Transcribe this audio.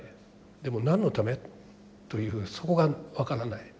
でも何のためというそこが分からない。